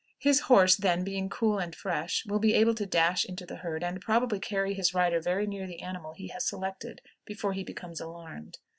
His horse then, being cool and fresh, will be able to dash into the herd, and probably carry his rider very near the animal he has selected before he becomes alarmed.